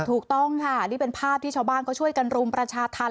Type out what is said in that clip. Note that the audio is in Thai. ถูกต้องค่ะนี่เป็นภาพที่ชาวบ้านเขาช่วยกันรุมประชาธรรม